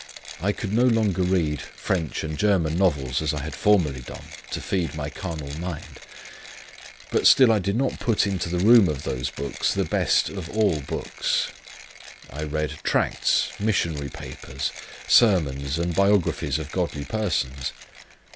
I could no longer read French and German novels, as I had formerly done, to feed my carnal mind; but still I did not put into the room of those books the best of all books. I read tracts, missionary papers, sermons, and biographies of godly persons.